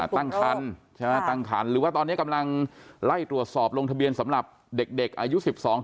ตั้งครรภ์หรือว่าตอนนี้กำลังไล่ตรวจสอบลงทะเบียนสำหรับเด็กอายุ๑๒๑๘